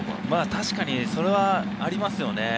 確かにそれはありますね。